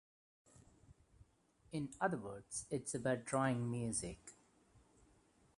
In other words, it's about 'drawing music'.